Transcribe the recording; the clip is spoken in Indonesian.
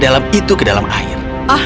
dalam itu ke dalam air